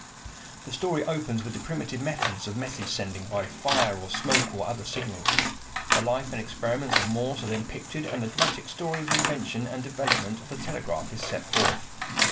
The story opens with the primitive methods of message sending by fire or smoke or other signals. The life and experiments of Morse are then pictured and the dramatic story of the invention and development of the telegraph is set forth.